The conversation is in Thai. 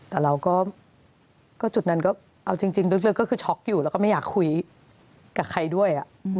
แต่เราก็จุดนั้นก็เอาจริงลึกก็คือช็อกอยู่แล้วก็ไม่อยากคุยกับใครด้วย